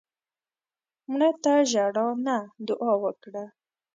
مړه ته ژړا نه، دعا وکړه